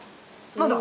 何だ？